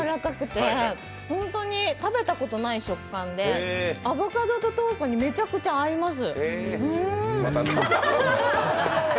食べたことない食感でアボカドとトーストにめちゃくちゃ合います。